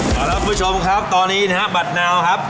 ครับพวกคุณผู้ชมครับตอนนี้นะครับบัตรนาวครับ